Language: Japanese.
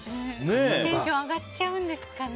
テンション上がっちゃうんですかね。